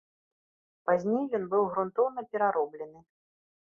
Пазней ён быў грунтоўна перароблены.